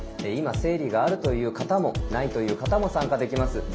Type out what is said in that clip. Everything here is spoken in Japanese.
今生理があるという方もないという方も参加できます。